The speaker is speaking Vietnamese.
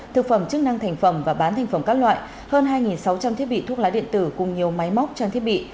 thực phẩm chức năng thành phẩm và bán thành phẩm các loại hơn hai sáu trăm linh thiết bị thuốc lá điện tử cùng nhiều máy móc trang thiết bị